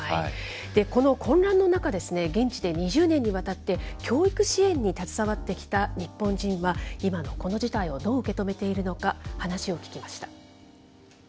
この混乱の中、現地で２０年にわたって教育支援に携わってきた日本人は、今のこの事態をどう受け止めているのか、話を聞きました。